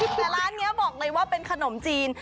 แต่ร้านนี้บอกเลยว่าเป็นขนมจีน